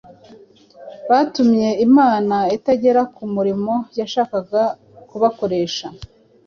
Batumye Imana itagera ku murimo yashakaga kubakoresha